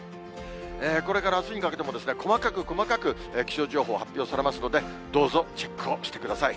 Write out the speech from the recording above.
これからあすにかけて、細かく細かく気象情報発表されますので、どうぞチェックをしてください。